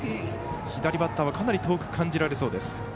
左バッターはかなり遠く感じられそうです。